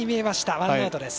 ワンアウトです。